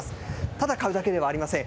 ただ、買うだけではありません。